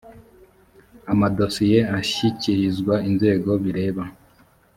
amadosiye ashyikirizwa inzego bireba